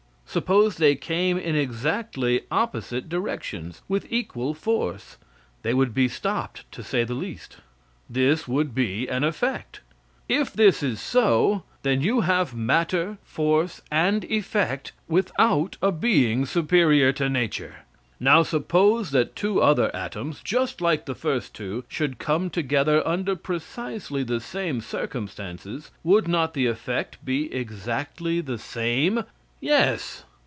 Suppose they came in exactly opposite directions with equal force, they would be stopped, to say the least. This would be an effect. If this is so, then you have matter, force and effect without a being superior to nature. Now suppose that two other atoms, just like the first two, should come together under precisely the same circumstances, would not the effect be exactly the same? Yes.